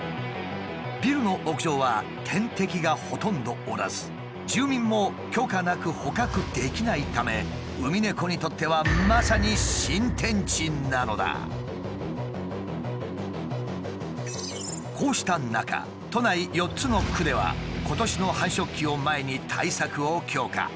ビルの屋上は天敵がほとんどおらず住民も許可なく捕獲できないためウミネコにとってはまさにこうした中都内４つの区では今年の繁殖期を前に対策を強化。